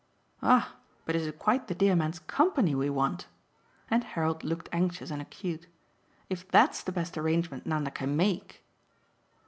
"Ah but is it quite the dear man's COMPANY we want?" and Harold looked anxious and acute. "If that's the best arrangement Nanda can make